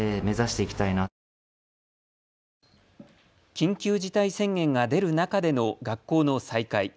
緊急事態宣言が出る中での学校の再開。